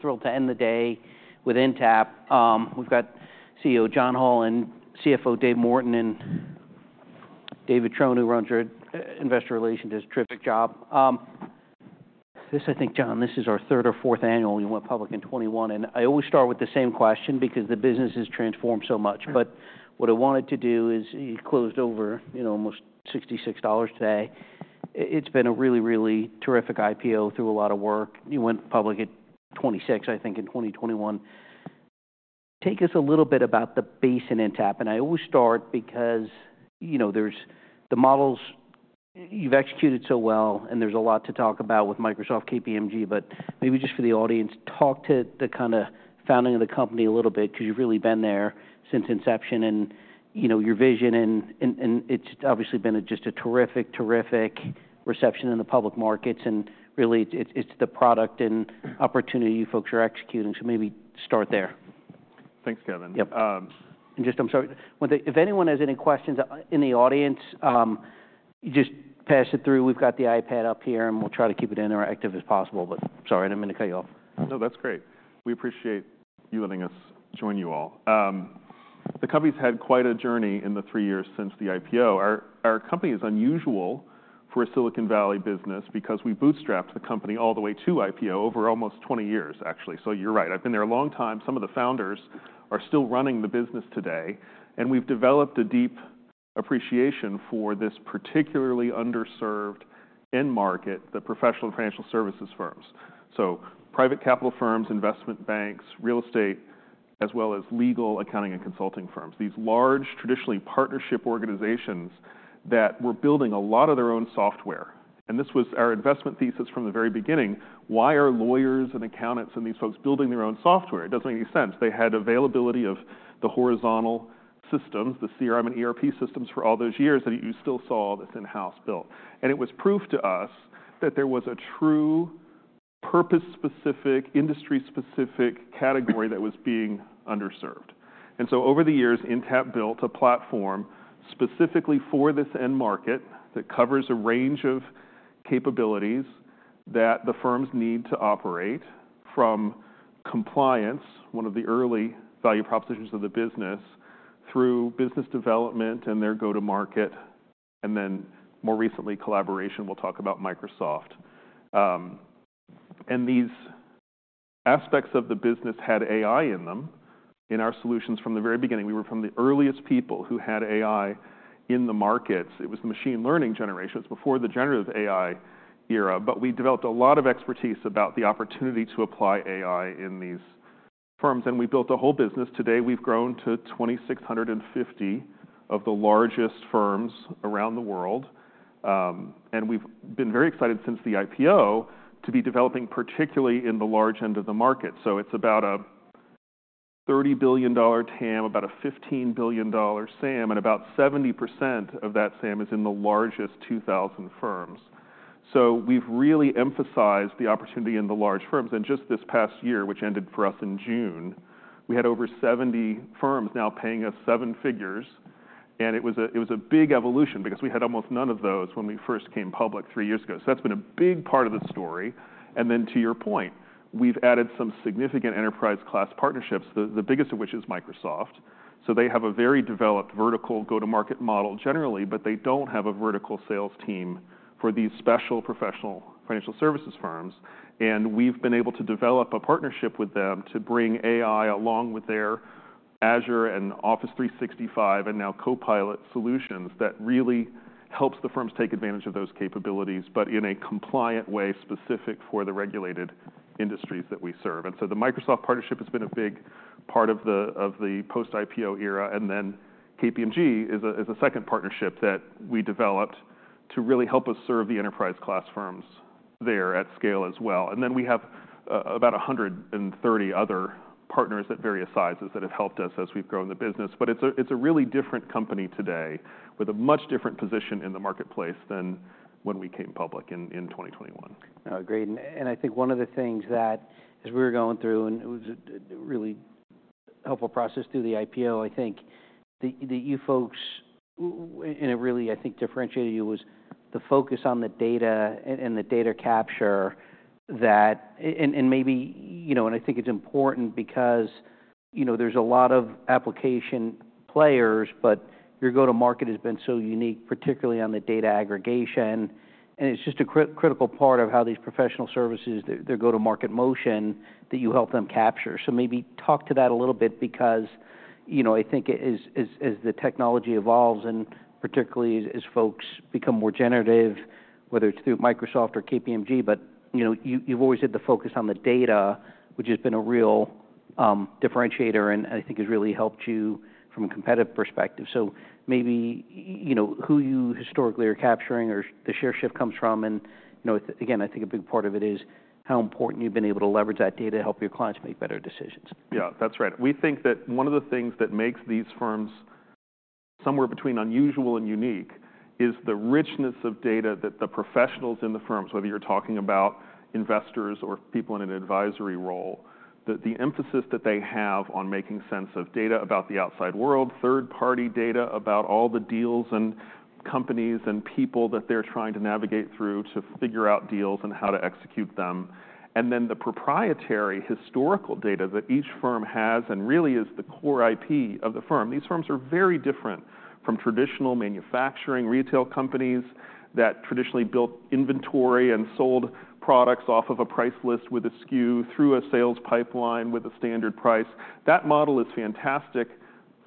Thrilled to end the day with Intapp. We've got CEO John Hall and CFO Dave Morton, and David Trone, who are under investor relations, does a terrific job. This, I think, John, this is our third or fourth annual. You went public in 2021, and I always start with the same question because the business has transformed so much. But what I wanted to do is you closed over almost $66 today. It's been a really, really terrific IPO, through a lot of work. You went public at $26, I think, in 2021. Take us a little bit about the basis in Intapp, and I always start because there's the models you've executed so well, and there's a lot to talk about with Microsoft, KPMG, but maybe just for the audience, talk to the kind of founding of the company a little bit because you've really been there since inception and your vision, and it's obviously been just a terrific, terrific reception in the public markets, and really it's the product and opportunity you folks are executing. So maybe start there. Thanks, Kevin. Yep. And just, I'm sorry, one thing. If anyone has any questions in the audience, just pass it through. We've got the iPad up here, and we'll try to keep it interactive as possible, but sorry, I didn't mean to cut you off. No, that's great. We appreciate you letting us join you all. The company's had quite a journey in the three years since the IPO. Our company is unusual for a Silicon Valley business because we bootstrapped the company all the way to IPO over almost 20 years, actually. So you're right. I've been there a long time. Some of the founders are still running the business today, and we've developed a deep appreciation for this particularly underserved end market, the professional financial services firms. So private capital firms, investment banks, real estate, as well as legal, accounting, and consulting firms. These large, traditionally partnership organizations that were building a lot of their own software. And this was our investment thesis from the very beginning. Why are lawyers and accountants and these folks building their own software? It doesn't make any sense. They had availability of the horizontal systems, the CRM and ERP systems, for all those years that you still saw that's in-house built. And it was proof to us that there was a true purpose-specific, industry-specific category that was being underserved. And so over the years, Intapp built a platform specifically for this end market that covers a range of capabilities that the firms need to operate from compliance, one of the early value propositions of the business, through business development and their go-to-market, and then more recently collaboration. We'll talk about Microsoft. And these aspects of the business had AI in them in our solutions from the very beginning. We were from the earliest people who had AI in the markets. It was the machine learning generation. It was before the generative AI era, but we developed a lot of expertise about the opportunity to apply AI in these firms, and we built a whole business. Today, we've grown to 2,650 of the largest firms around the world, and we've been very excited since the IPO to be developing particularly in the large end of the market. So it's about a $30 billion TAM, about a $15 billion SAM, and about 70% of that SAM is in the largest 2,000 firms. So we've really emphasized the opportunity in the large firms. And just this past year, which ended for us in June, we had over 70 firms now paying us seven figures, and it was a big evolution because we had almost none of those when we first came public three years ago. So that's been a big part of the story. And then to your point, we've added some significant enterprise-class partnerships, the biggest of which is Microsoft. So they have a very developed vertical go-to-market model generally, but they don't have a vertical sales team for these special professional financial services firms. And we've been able to develop a partnership with them to bring AI along with their Azure and Office 365 and now Copilot solutions that really helps the firms take advantage of those capabilities, but in a compliant way specific for the regulated industries that we serve. And so the Microsoft partnership has been a big part of the post-IPO era, and then KPMG is a second partnership that we developed to really help us serve the enterprise-class firms there at scale as well. And then we have about 130 other partners at various sizes that have helped us as we've grown the business, but it's a really different company today with a much different position in the marketplace than when we came public in 2021. Great. And I think one of the things that, as we were going through, and it was a really helpful process through the IPO, I think that you folks, and it really, I think, differentiated you was the focus on the data and the data capture that, and maybe, and I think it's important because there's a lot of application players, but your go-to-market has been so unique, particularly on the data aggregation, and it's just a critical part of how these professional services, their go-to-market motion that you help them capture. So maybe talk to that a little bit because I think as the technology evolves and particularly as folks become more generative, whether it's through Microsoft or KPMG, but you've always had the focus on the data, which has been a real differentiator and I think has really helped you from a competitive perspective. So maybe who you historically are capturing or the share shift comes from, and again, I think a big part of it is how important you've been able to leverage that data to help your clients make better decisions. Yeah, that's right. We think that one of the things that makes these firms somewhere between unusual and unique is the richness of data that the professionals in the firms, whether you're talking about investors or people in an advisory role, that the emphasis that they have on making sense of data about the outside world, third-party data about all the deals and companies and people that they're trying to navigate through to figure out deals and how to execute them, and then the proprietary historical data that each firm has and really is the core IP of the firm. These firms are very different from traditional manufacturing retail companies that traditionally built inventory and sold products off of a price list with a SKU through a sales pipeline with a standard price. That model is fantastic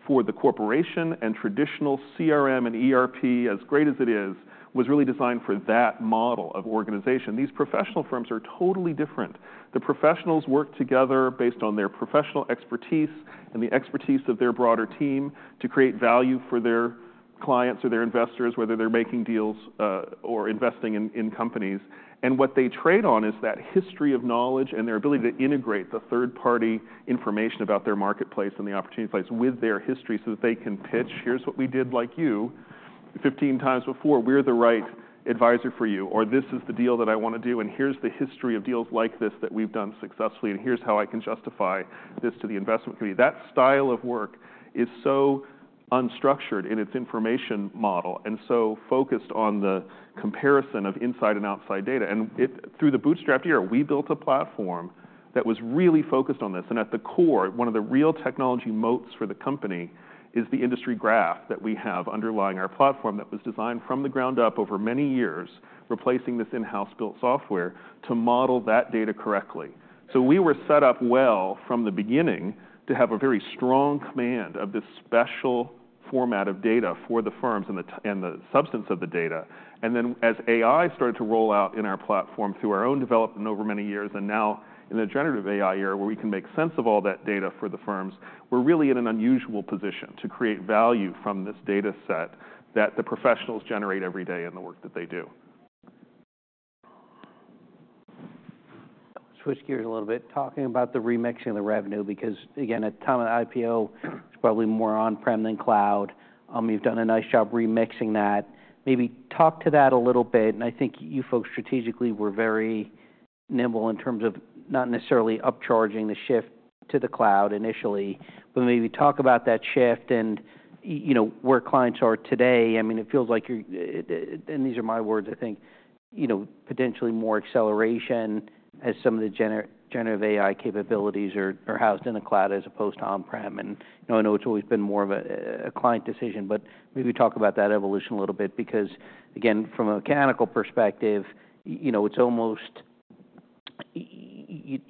for the corporation, and traditional CRM and ERP, as great as it is, was really designed for that model of organization. These professional firms are totally different. The professionals work together based on their professional expertise and the expertise of their broader team to create value for their clients or their investors, whether they're making deals or investing in companies, and what they trade on is that history of knowledge and their ability to integrate the third-party information about their marketplace and the opportunity place with their history so that they can pitch, "Here's what we did like you 15 times before. We're the right advisor for you," or, "This is the deal that I want to do, and here's the history of deals like this that we've done successfully, and here's how I can justify this to the investment committee." That style of work is so unstructured in its information model and so focused on the comparison of inside and outside data. And through the bootstrapped era, we built a platform that was really focused on this. And at the core, one of the real technology moats for the company is the Industry Graph that we have underlying our platform that was designed from the ground up over many years, replacing this in-house built software to model that data correctly. So we were set up well from the beginning to have a very strong command of this special format of data for the firms and the substance of the data. And then as AI started to roll out in our platform through our own development over many years, and now in the generative AI era where we can make sense of all that data for the firms, we're really in an unusual position to create value from this data set that the professionals generate every day in the work that they do. Switch gears a little bit, talking about the remixing of the revenue because, again, at the time of the IPO, it's probably more on-prem than cloud. You've done a nice job remixing that. Maybe talk to that a little bit, and I think you folks strategically were very nimble in terms of not necessarily upcharging the shift to the cloud initially, but maybe talk about that shift and where clients are today. I mean, it feels like, and these are my words, I think, potentially more acceleration as some of the generative AI capabilities are housed in the cloud as opposed to on-prem. And I know it's always been more of a client decision, but maybe talk about that evolution a little bit because, again, from a mechanical perspective, it's almost in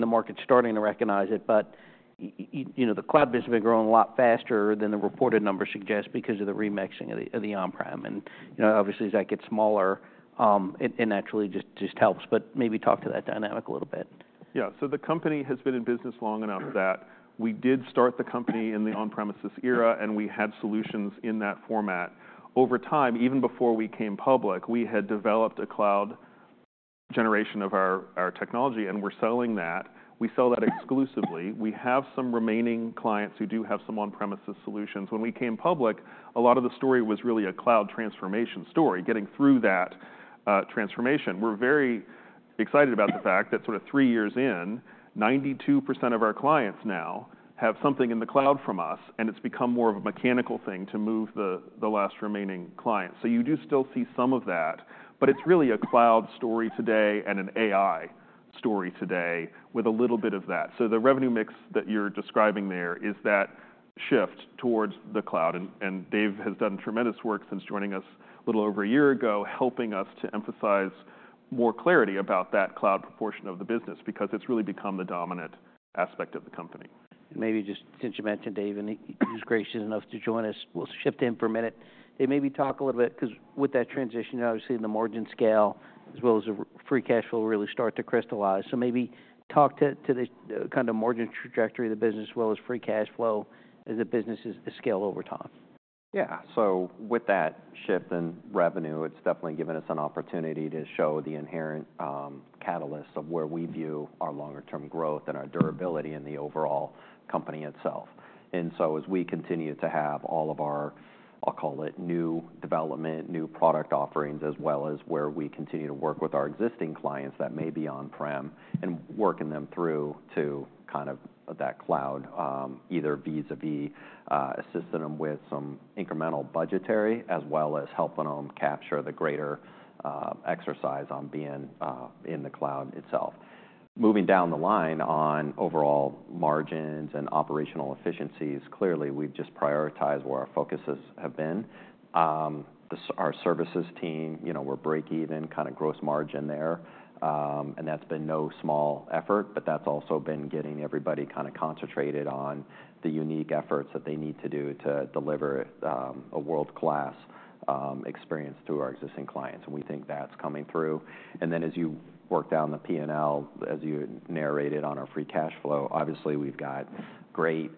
the market starting to recognize it, but the cloud business has been growing a lot faster than the reported numbers suggest because of the remixing of the on-prem. And obviously, as that gets smaller, it naturally just helps, but maybe talk to that dynamic a little bit. Yeah. So the company has been in business long enough that we did start the company in the on-premises era, and we had solutions in that format. Over time, even before we came public, we had developed a cloud generation of our technology, and we're selling that. We sell that exclusively. We have some remaining clients who do have some on-premises solutions. When we came public, a lot of the story was really a cloud transformation story, getting through that transformation. We're very excited about the fact that sort of three years in, 92% of our clients now have something in the cloud from us, and it's become more of a mechanical thing to move the last remaining client. So you do still see some of that, but it's really a cloud story today and an AI story today with a little bit of that. So the revenue mix that you're describing there is that shift towards the cloud, and Dave has done tremendous work since joining us a little over a year ago, helping us to emphasize more clarity about that cloud proportion of the business because it's really become the dominant aspect of the company. Maybe just since you mentioned Dave and he was gracious enough to join us, we'll shift him for a minute. Dave, maybe talk a little bit because with that transition, obviously in the margin scale as well as the free cash flow really start to crystallize. So maybe talk to the kind of margin trajectory of the business as well as free cash flow as the business has scaled over time. Yeah. So with that shift in revenue, it's definitely given us an opportunity to show the inherent catalysts of where we view our longer-term growth and our durability in the overall company itself. And so as we continue to have all of our, I'll call it new development, new product offerings, as well as where we continue to work with our existing clients that may be on-prem and working them through to kind of that cloud, either vis-à-vis assisting them with some incremental budgetary as well as helping them capture the greater exercise on being in the cloud itself. Moving down the line on overall margins and operational efficiencies, clearly we've just prioritized where our focuses have been. Our services team, we're break-even kind of gross margin there, and that's been no small effort, but that's also been getting everybody kind of concentrated on the unique efforts that they need to do to deliver a world-class experience to our existing clients, and we think that's coming through, and then as you work down the P&L, as you narrate it on our free cash flow, obviously we've got great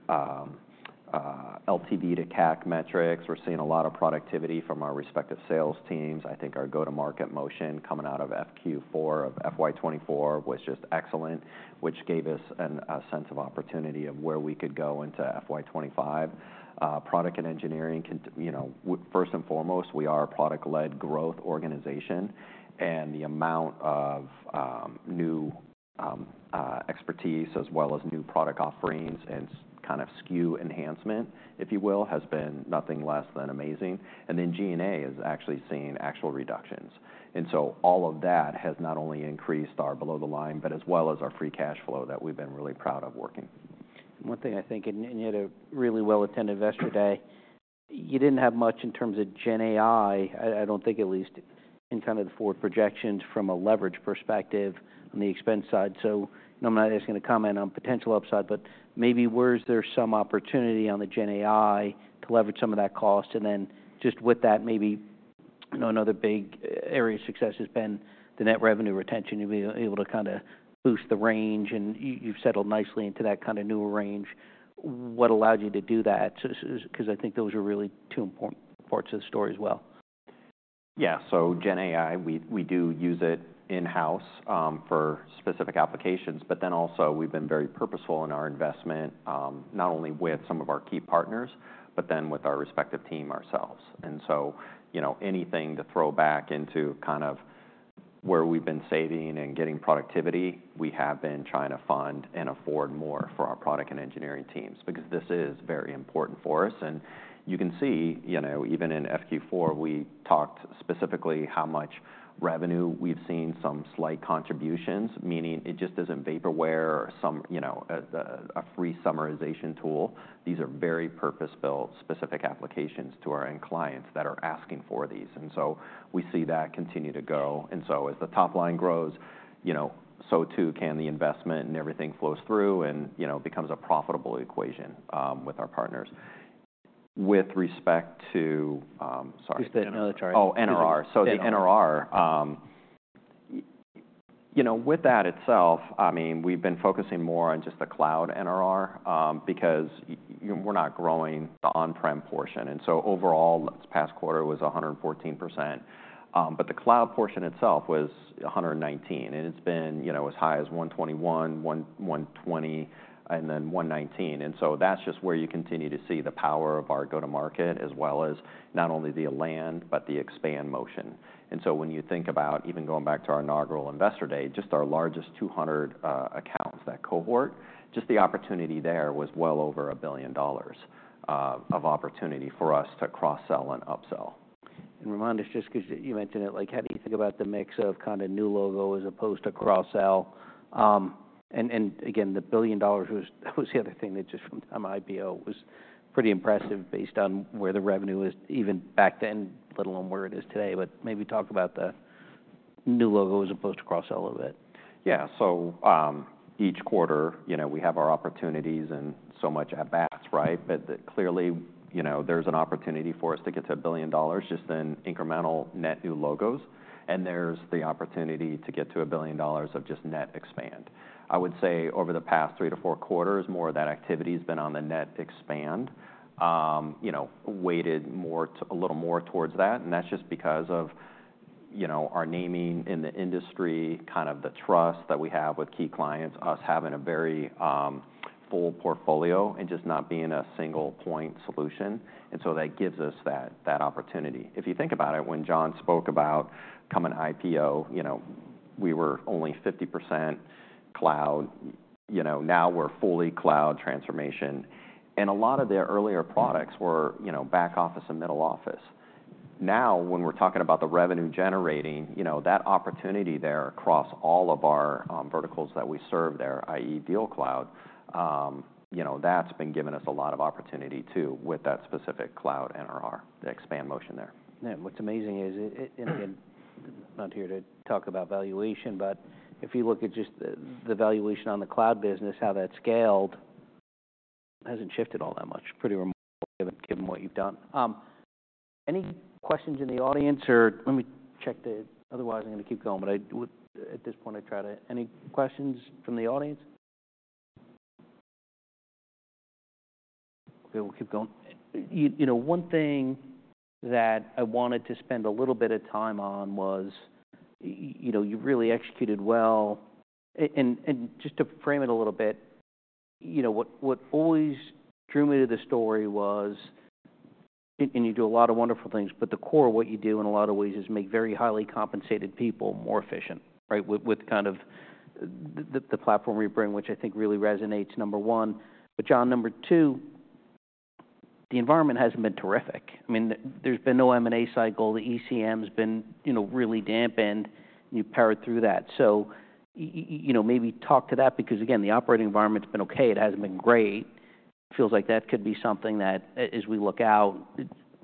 LTV to CAC metrics. We're seeing a lot of productivity from our respective sales teams. I think our go-to-market motion coming out of Q4 of FY 2024 was just excellent, which gave us a sense of opportunity of where we could go into FY 2025. Product and engineering, first and foremost, we are a product-led growth organization, and the amount of new expertise as well as new product offerings and kind of SKU enhancement, if you will, has been nothing less than amazing, and then G&A is actually seeing actual reductions, and so all of that has not only increased our below-the-line, but as well as our free cash flow that we've been really proud of working. One thing I think, and you had a really well-attended investor day, you didn't have much in terms of GenAI, I don't think at least in kind of the forward projections from a leverage perspective on the expense side. So I'm not asking a comment on potential upside, but maybe where is there some opportunity on the GenAI to leverage some of that cost? And then just with that, maybe another big area of success has been the net revenue retention. You've been able to kind of boost the range, and you've settled nicely into that kind of newer range. What allowed you to do that? Because I think those are really two important parts of the story as well. Yeah. So GenAI, we do use it in-house for specific applications, but then also we've been very purposeful in our investment, not only with some of our key partners, but then with our respective team ourselves. And so anything to throw back into kind of where we've been saving and getting productivity, we have been trying to fund and afford more for our product and engineering teams because this is very important for us. And you can see even in FQ4, we talked specifically how much revenue we've seen some slight contributions, meaning it just isn't vaporware or some free summarization tool. These are very purpose-built specific applications to our end clients that are asking for these. And so we see that continue to go. And so as the top line grows, so too can the investment and everything flows through and becomes a profitable equation with our partners. With respect to, sorry. Just the NRR. Oh, NRR. So the NRR, with that itself, I mean, we've been focusing more on just the cloud NRR because we're not growing the on-prem portion. And so overall, last quarter was 114%, but the cloud portion itself was 119%, and it's been as high as 121%, 120%, and then 119%. And so that's just where you continue to see the power of our go-to-market as well as not only the land, but the expand motion. And so when you think about even going back to our inaugural investor day, just our largest 200 accounts, that cohort, just the opportunity there was well over $1 billion of opportunity for us to cross-sell and upsell. And Raimo, just because you mentioned it, how do you think about the mix of kind of new logo as opposed to cross-sell? And again, the $1 billion was the other thing that just from the time of IPO was pretty impressive based on where the revenue is even back then, let alone where it is today, but maybe talk about the new logo as opposed to cross-sell a little bit. Yeah. So each quarter, we have our opportunities and so much at bats, right? But clearly there's an opportunity for us to get to $1 billion just in incremental net new logos, and there's the opportunity to get to $1 billion of just net expand. I would say over the past three to four quarters, more of that activity has been on the net expand, weighted a little more towards that, and that's just because of our naming in the industry, kind of the trust that we have with key clients, us having a very full portfolio and just not being a single point solution, and so that gives us that opportunity. If you think about it, when John spoke about coming IPO, we were only 50% cloud, now we're fully cloud transformation, and a lot of their earlier products were back office and middle office. Now, when we're talking about the revenue generating, that opportunity there across all of our verticals that we serve there, i.e., DealCloud, that's been giving us a lot of opportunity too with that specific Cloud NRR, the expand motion there. Yeah. What's amazing is, and again, not here to talk about valuation, but if you look at just the valuation on the cloud business, how that scaled hasn't shifted all that much, pretty remarkable given what you've done. Any questions in the audience? Or let me check the, otherwise I'm going to keep going, but at this point I try to, any questions from the audience? Okay, we'll keep going. One thing that I wanted to spend a little bit of time on was you really executed well. And just to frame it a little bit, what always drew me to the story was, and you do a lot of wonderful things, but the core of what you do in a lot of ways is make very highly compensated people more efficient, right, with kind of the platform you bring, which I think really resonates, number one. But John, number two, the environment hasn't been terrific. I mean, there's been no M&A cycle. The ECM has been really dampened. You powered through that. So maybe talk to that because, again, the operating environment's been okay. It hasn't been great. It feels like that could be something that, as we look out,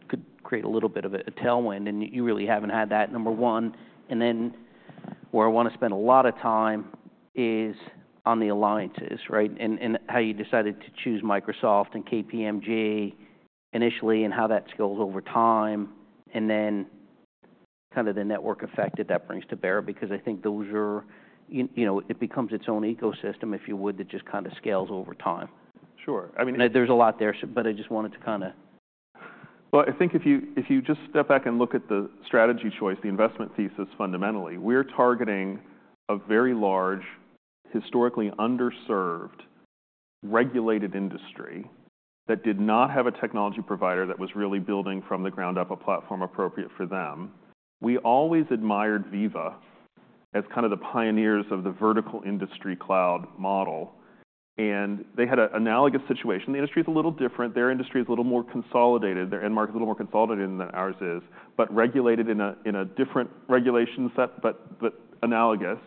could create a little bit of a tailwind, and you really haven't had that, number one. And then where I want to spend a lot of time is on the alliances, right, and how you decided to choose Microsoft and KPMG initially and how that scales over time, and then kind of the network effect that that brings to bear because I think those are, it becomes its own ecosystem, if you would, that just kind of scales over time. Sure. I mean. There's a lot there, but I just wanted to kind of. I think if you just step back and look at the strategy choice, the investment thesis fundamentally, we're targeting a very large, historically underserved, regulated industry that did not have a technology provider that was really building from the ground up a platform appropriate for them. We always admired Veeva as kind of the pioneers of the vertical industry cloud model, and they had an analogous situation. The industry is a little different. Their industry is a little more consolidated. Their end market is a little more consolidated than ours is, but regulated in a different regulation set, but analogous.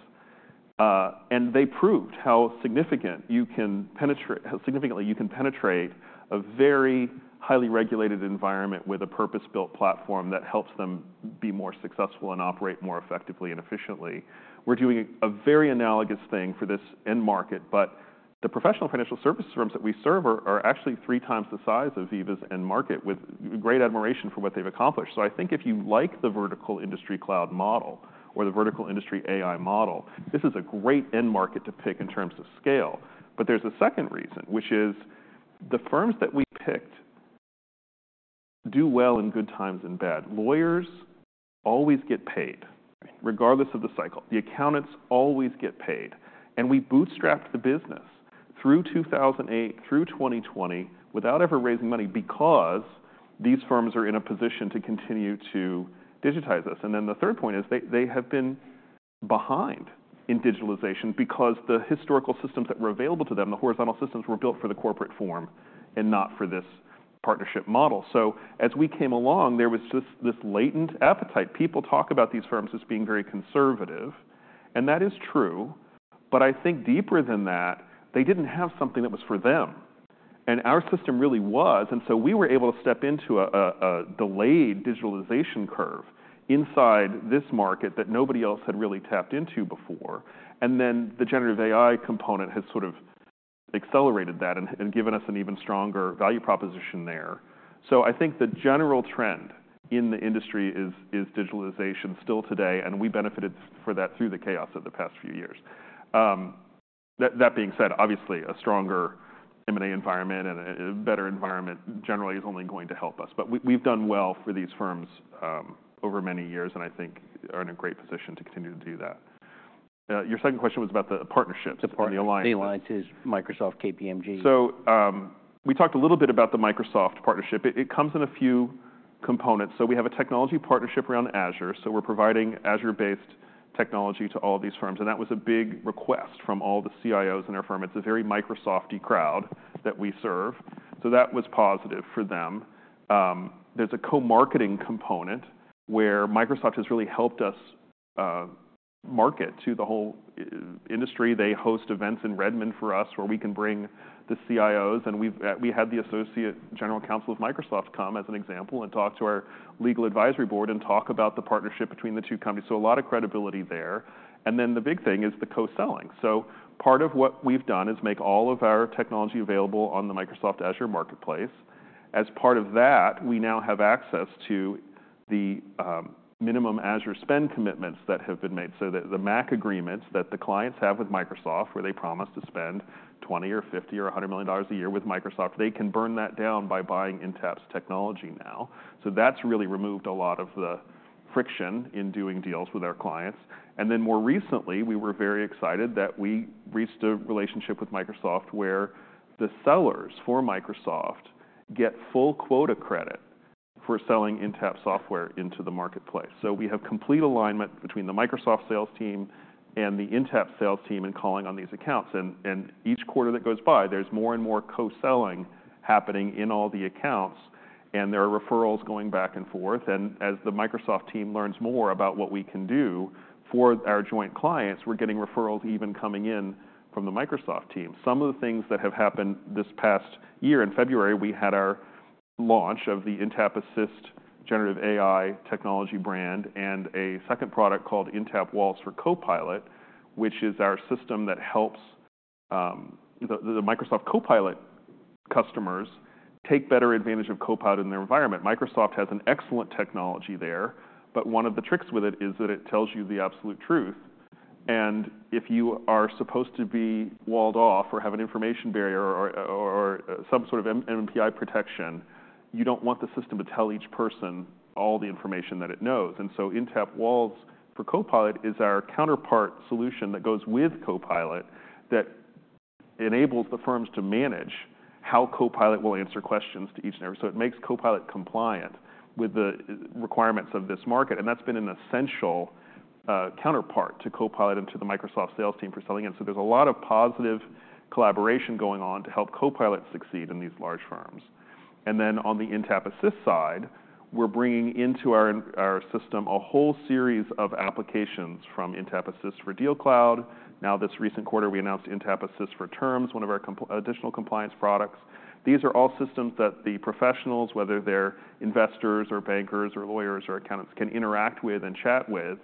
They proved how significantly you can penetrate a very highly regulated environment with a purpose-built platform that helps them be more successful and operate more effectively and efficiently. We're doing a very analogous thing for this end market, but the professional financial services firms that we serve are actually three times the size of Veeva's end market, with great admiration for what they've accomplished, so I think if you like the vertical industry cloud model or the vertical industry AI model, this is a great end market to pick in terms of scale, but there's a second reason, which is the firms that we picked do well in good times and bad. Lawyers always get paid, regardless of the cycle. The accountants always get paid, and we bootstrapped the business through 2008, through 2020, without ever raising money because these firms are in a position to continue to digitize us. And then the third point is they have been behind in digitalization because the historical systems that were available to them, the horizontal systems were built for the corporate form and not for this partnership model. So as we came along, there was just this latent appetite. People talk about these firms as being very conservative, and that is true, but I think deeper than that, they didn't have something that was for them. And our system really was, and so we were able to step into a delayed digitalization curve inside this market that nobody else had really tapped into before. And then the generative AI component has sort of accelerated that and given us an even stronger value proposition there. So I think the general trend in the industry is digitalization still today, and we benefited for that through the chaos of the past few years. That being said, obviously, a stronger M&A environment and a better environment generally is only going to help us, but we've done well for these firms over many years, and I think are in a great position to continue to do that. Your second question was about the partnerships and the alliances. The alliances, Microsoft, KPMG. So we talked a little bit about the Microsoft partnership. It comes in a few components. So we have a technology partnership around Azure. So we're providing Azure-based technology to all of these firms, and that was a big request from all the CIOs in our firm. It's a very Microsoft-y crowd that we serve. So that was positive for them. There's a co-marketing component where Microsoft has really helped us market to the whole industry. They host events in Redmond for us where we can bring the CIOs, and we had the Associate General Counsel of Microsoft come as an example and talk to our Legal Advisory Board and talk about the partnership between the two companies. So a lot of credibility there. And then the big thing is the co-selling. So part of what we've done is make all of our technology available on the Microsoft Azure Marketplace. As part of that, we now have access to the minimum Azure spend commitments that have been made. So the MACC agreements that the clients have with Microsoft, where they promise to spend $20 million or $50 million or $100 million a year with Microsoft, they can burn that down by buying Intapp technology now. So that's really removed a lot of the friction in doing deals with our clients. And then more recently, we were very excited that we reached a relationship with Microsoft where the sellers for Microsoft get full quota credit for selling Intapp software into the marketplace. So we have complete alignment between the Microsoft sales team and the Intapp sales team and calling on these accounts. And each quarter that goes by, there's more and more co-selling happening in all the accounts, and there are referrals going back and forth. As the Microsoft team learns more about what we can do for our joint clients, we're getting referrals even coming in from the Microsoft team. Some of the things that have happened this past year in February, we had our launch of the Intapp Assist generative AI technology brand and a second product called Intapp Walls for Copilot, which is our system that helps the Microsoft Copilot customers take better advantage of Copilot in their environment. Microsoft has an excellent technology there, but one of the tricks with it is that it tells you the absolute truth. If you are supposed to be walled off or have an information barrier or some sort of MNPI protection, you don't want the system to tell each person all the information that it knows. And so Intapp Walls for Copilot is our counterpart solution that goes with Copilot that enables the firms to manage how Copilot will answer questions to each and every one. So it makes Copilot compliant with the requirements of this market, and that's been an essential counterpart to Copilot and to the Microsoft sales team for selling it. So there's a lot of positive collaboration going on to help Copilot succeed in these large firms. And then on the Intapp Assist side, we're bringing into our system a whole series of applications from Intapp Assist for DealCloud. Now, this recent quarter, we announced Intapp Assist for Terms, one of our additional compliance products. These are all systems that the professionals, whether they're investors or bankers or lawyers or accountants, can interact with and chat with,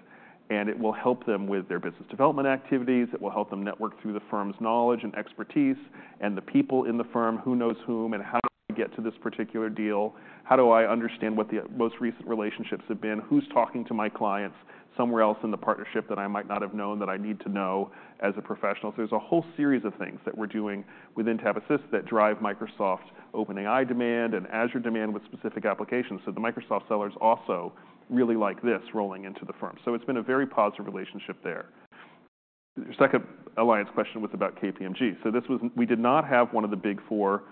and it will help them with their business development activities. It will help them network through the firm's knowledge and expertise and the people in the firm. Who knows whom and how do I get to this particular deal? How do I understand what the most recent relationships have been? Who's talking to my clients somewhere else in the partnership that I might not have known that I need to know as a professional? So there's a whole series of things that we're doing with Intapp Assist that drive Microsoft OpenAI demand and Azure demand with specific applications. So the Microsoft sellers also really like this rolling into the firm. So it's been a very positive relationship there. Your second alliance question was about KPMG. So we did not have one of the Big Four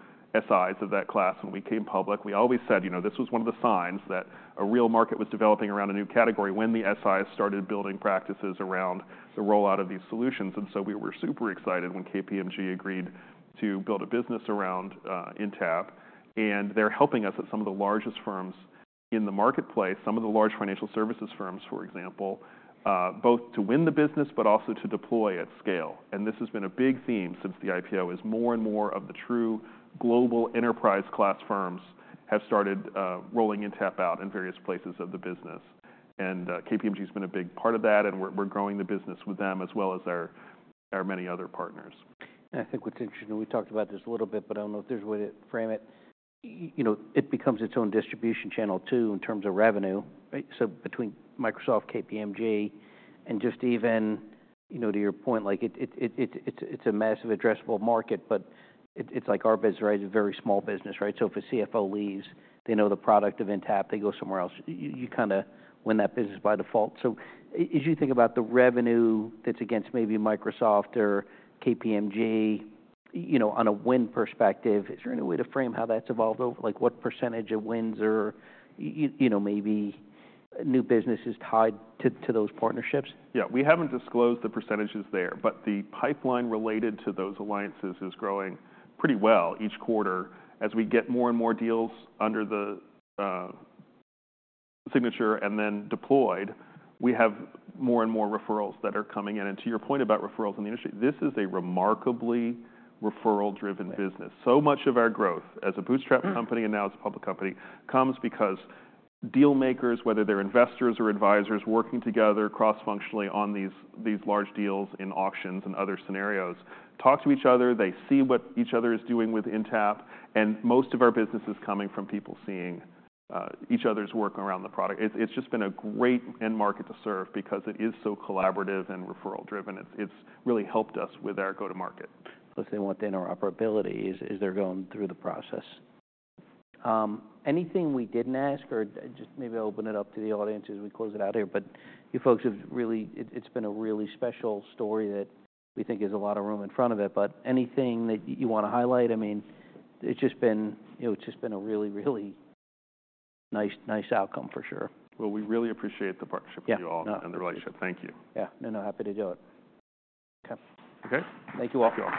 SIs of that class when we came public. We always said this was one of the signs that a real market was developing around a new category when the SIs started building practices around the rollout of these solutions. We were super excited when KPMG agreed to build a business around Intapp. They're helping us at some of the largest firms in the marketplace, some of the large financial services firms, for example, both to win the business, but also to deploy at scale. This has been a big theme since the IPO, as more and more of the true global enterprise-class firms have started rolling Intapp out in various places of the business. KPMG has been a big part of that, and we're growing the business with them as well as our many other partners. I think what's interesting, we talked about this a little bit, but I don't know if there's a way to frame it. It becomes its own distribution channel too in terms of revenue, right? So between Microsoft, KPMG, and just even to your point, it's a massive addressable market, but it's like our business, right? It's a very small business, right? So if a CFO leaves, they know the product of Intapp, they go somewhere else. You kind of win that business by default. So as you think about the revenue that's against maybe Microsoft or KPMG on a win perspective, is there any way to frame how that's evolved over? What percentage of wins or maybe new business is tied to those partnerships? Yeah. We haven't disclosed the percentages there, but the pipeline related to those alliances is growing pretty well each quarter. As we get more and more deals under the signature and then deployed, we have more and more referrals that are coming in. And to your point about referrals in the industry, this is a remarkably referral-driven business. So much of our growth as a bootstrap company and now as a public company comes because deal makers, whether they're investors or advisors, working together cross-functionally on these large deals in auctions and other scenarios, talk to each other. They see what each other is doing with Intapp. And most of our business is coming from people seeing each other's work around the product. It's just been a great end market to serve because it is so collaborative and referral-driven. It's really helped us with our go-to-market. Plus, they want the interoperability as they're going through the process. Anything we didn't ask or just maybe I'll open it up to the audience as we close it out here, but you folks have really, it's been a really special story that we think has a lot of room in front of it. But anything that you want to highlight? I mean, it's just been a really, really nice outcome for sure. We really appreciate the partnership with you all and the relationship. Thank you. Yeah. No, no. Happy to do it. Okay. Okay. Thank you all. Cool.